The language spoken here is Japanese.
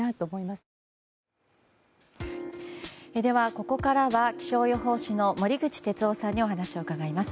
ここからは気象予報士の森口哲夫さんにお話を伺います。